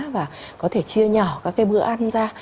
và có thể chia nhỏ các cái bữa ăn ra